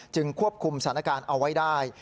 ควบคุมสถานการณ์เอาไว้ได้